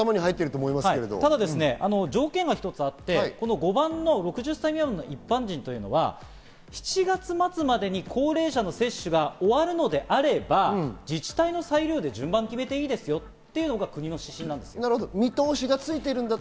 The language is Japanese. ただ条件が一つあって、この５番の６０歳未満の一般人というのは７月末までに高齢者の接種が終わるのであれば自治体の裁量で順番を決めていいですよというのが国の指針です。